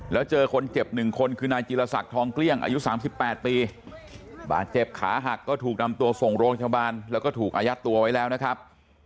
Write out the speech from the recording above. แล้วเจอคนเจ็บ๑คนคือนายจิลศักดิ์ทองเกลี้ยงอายุ๓๘ปีบาดเจ็บขาหักก็ถูกนำตัวส่งโรงพยาบาลแล้วก็ถูกอายัดตัวไว้แล้วนะครับ